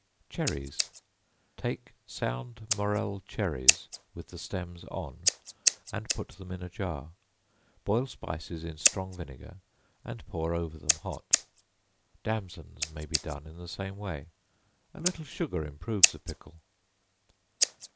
Cherries. Take sound morel cherries with the stems on, and put them in a jar; boil spices in strong vinegar, and pour over them hot. Damsons may be done in the same way. A little sugar improves the pickle.